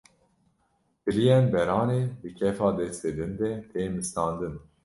Tiliyên beranê di kefa destê din de tê mistandin